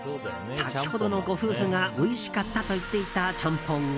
先ほどのご夫婦がおいしかったと言っていたちゃんぽんが。